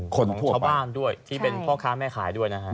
ของชาวบ้านด้วยที่เป็นพ่อค้าแม่ขายด้วยนะครับ